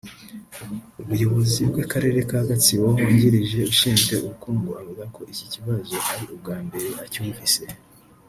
umuyobozi w’akarere ka Gatsibo wungirije ushinzwe ubukungu avuga ko iki kibazo ari ubwa mbere acyumvise